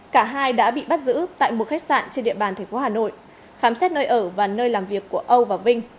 cả hai đã bị bắt giữ tại một khách sạn trên địa bàn tp hà nội khám xét nơi ở và nơi làm việc của âu và vinh